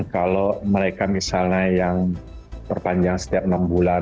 kalau mereka misalnya yang perpanjang setiap enam bulan